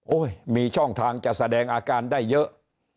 มีช่องทางจะแสดงอาการได้เยอะ